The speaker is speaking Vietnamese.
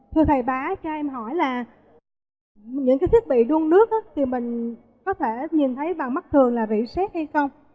thưa thầy bá cho em hỏi là những cái thiết bị đun nước thì mình có thể nhìn thấy bằng mắt thường là rỉ xét hay không